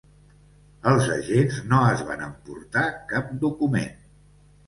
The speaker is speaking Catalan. Els agents no es van emportar cap document.